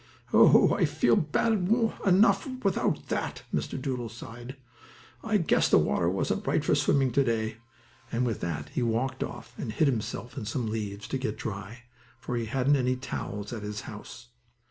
"Oh, I feel bad enough without that," said Mr. Doodle, sighing. "I guess the water wasn't right for swimming to day," and with that he walked off, and hid himself in some leaves, to get dry, for he hadn't any towels at his house.